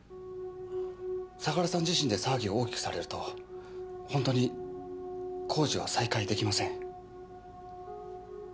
相良さん自身で騒ぎを大きくされるとホントに工事は再開できません。